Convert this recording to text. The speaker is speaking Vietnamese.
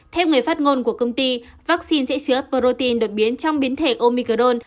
theo người phát ngôn của công ty vaccine sẽ sửa protein đột biến trong biến thể omicron